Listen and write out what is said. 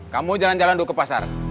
kamu jalan jalan dulu ke pasar